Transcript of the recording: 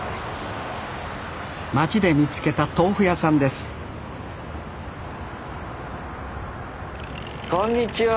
町で見つけた豆腐屋さんですこんにちは。